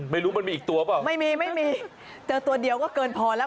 ไม่รู้มันมีอีกตัวเปล่าไม่มีไม่มีเจอตัวเดียวก็เกินพอแล้ว